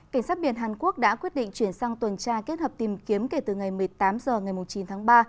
cảnh sát biển hàn quốc đã quyết định chuyển sang tuần tra kết hợp tìm kiếm kể từ ngày một mươi tám h ngày chín tháng ba